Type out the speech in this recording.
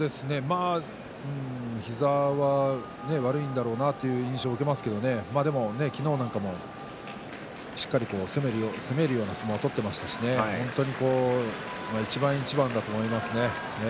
膝は悪いんだろうなという印象は受けますけど昨日なんかもしっかり、攻めるような相撲を取っていましたし一番一番だと思いますね。